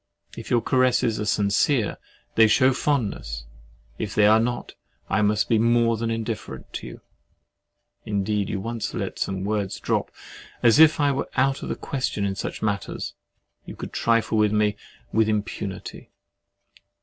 If your caresses are sincere, they shew fondness—if they are not, I must be more than indifferent to you. Indeed you once let some words drop, as if I were out of the question in such matters, and you could trifle with me with impunity.